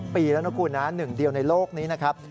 ปีแล้วนะคุณนะหนึ่งเดียวในโลกนี้นะครับ